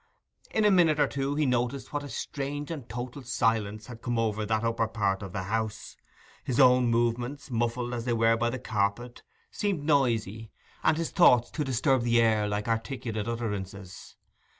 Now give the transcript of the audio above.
In a minute or two he noticed what a strange and total silence had come over the upper part of the house; his own movements, muffled as they were by the carpet, seemed noisy, and his thoughts to disturb the air like articulate utterances.